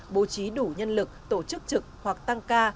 bố trí đủ nhân lực tổ chức trực hoặc tăng ca